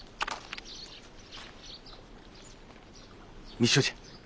密書じゃ。